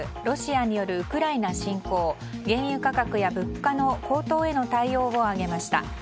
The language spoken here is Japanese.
ロシアによるウクライナ侵攻原油価格や物価の高騰への対応を挙げました。